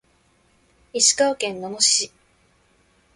石川県野々市市